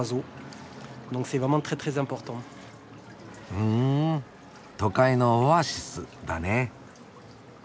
ふん都会のオアシスだね。